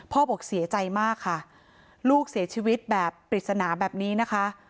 บอกเสียใจมากค่ะลูกเสียชีวิตแบบปริศนาแบบนี้นะคะ